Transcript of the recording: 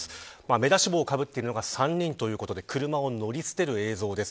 目出し帽をかぶっているのが３人ということで車を乗り捨てる映像です。